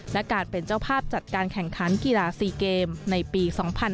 และการเป็นเจ้าภาพจัดการแข่งขันกีฬา๔เกมในปี๒๕๕๙